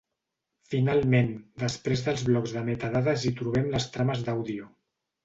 Finalment, després dels blocs de metadades hi trobem les trames d'àudio.